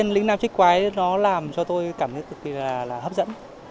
lĩnh nam chích quái làm cho tôi cảm thấy rất là hấp dẫn